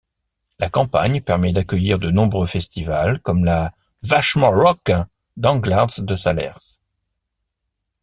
La campagne permet d'accueillir de nombreux festivals comme la Vachement Rock d'Anglards-de-Salers.